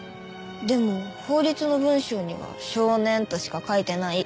でも法律の文章には少年としか書いてない。